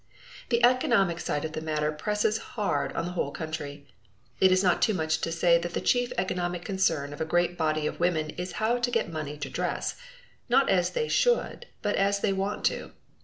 The economic side of the matter presses hard on the whole country. It is not too much to say that the chief economic concern of a great body of women is how to get money to dress, not as they should, but as they want to.